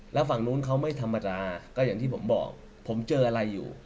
แล้วฝั่งนู้นเขาไม่ธรรมดาก็อย่างที่ผมบอกผมเจออะไรอยู่